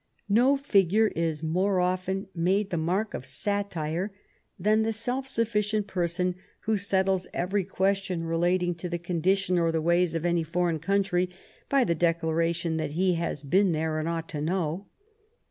No figure is more often made the mark of satire than the self sufficient person who settles every question re lating to the condition or the ways of any foreign coun try by the declaration that he has been there and ought to know.